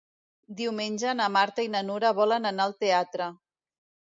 Diumenge na Marta i na Nura volen anar al teatre.